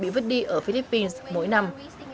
hết đi ở philippines mỗi năm